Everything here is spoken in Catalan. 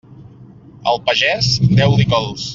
Al pagès, deu-li cols.